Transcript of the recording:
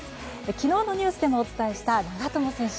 昨日のニュースでもお伝えした長友選手。